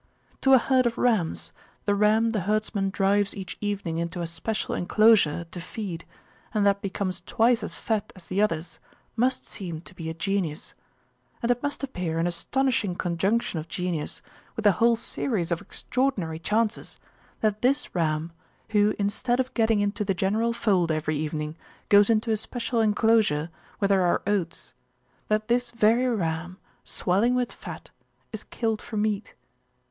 To a herd of rams, the ram the herdsman drives each evening into a special enclosure to feed and that becomes twice as fat as the others must seem to be a genius. And it must appear an astonishing conjunction of genius with a whole series of extraordinary chances that this ram, who instead of getting into the general fold every evening goes into a special enclosure where there are oats—that this very ram, swelling with fat, is killed for meat.